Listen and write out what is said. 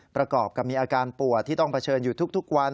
ประกอบกับมีอาการปวดที่ต้องเผชิญอยู่ทุกวัน